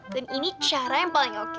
dan ini cara yang paling oke